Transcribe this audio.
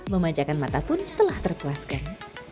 memanjakan mata pun telah terpuaskan